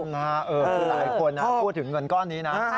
คือหลายคนพูดถึงเงินก้อนนี้นะ